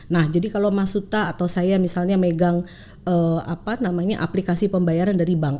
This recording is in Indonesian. nah jadi kalau mas suta atau saya misalnya megang aplikasi pembayaran dari bank